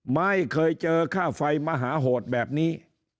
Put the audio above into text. ไม่เคยเจอค่าไฟมหาโหดแบบนี้